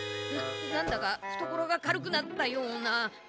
なんだかふところが軽くなったような。